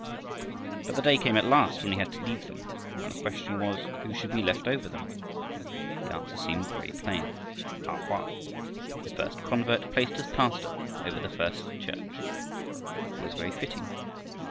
But the day came at last when he had to leave them, and the question was who should be left over them. The answer seemed very plain, A Hoa. The first convert placed as pastor over the first church! It was very fitting.